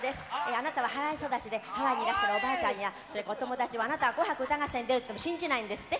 あなたはハワイ育ちでハワイにいらっしゃるおばあちゃんやそれからお友達はあなたが「紅白歌合戦」に出るって言っても信じないんですって？